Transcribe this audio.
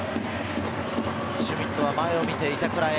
シュミットは前を見て板倉へ。